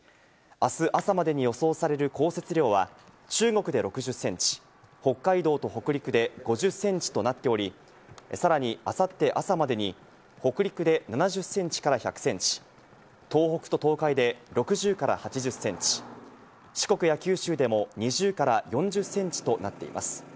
明日朝までに予想される降雪量は中国で６０センチ、北海道と北陸で５０センチとなっており、さらに明後日朝までに北陸で７０センチから１００センチ、東北と東海で６０から８０センチ、四国や九州でも２０から４０センチとなっています。